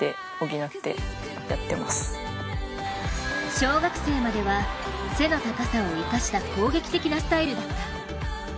小学生までは背の高さを生かした攻撃的なスタイルだった。